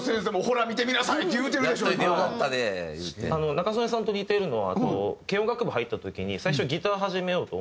仲宗根さんと似てるのは軽音楽部入った時に最初ギターを始めようと思って。